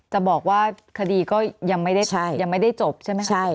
จะบอกว่าคดีก็ยังไม่ได้จบใช่ไหมครับ